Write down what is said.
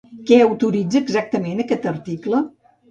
Què autoritza exactament aquest article?